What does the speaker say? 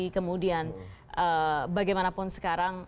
kemudian bagaimanapun sekarang